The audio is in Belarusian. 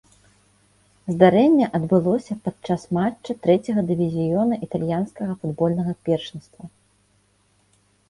Здарэнне адбылося падчас матча трэцяга дывізіёна італьянскага футбольнага першынства.